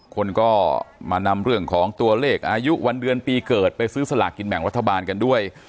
คนก็มานำเรื่องของตัวเลขอายุวันเดือนปีเกิดไปซื้อสลากกินแบ่งรัฐบาลกันด้วย